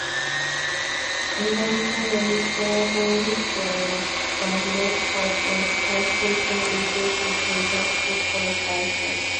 Ironically, "Dragon's Lair" was not part of Halcyon's initial content repertoire.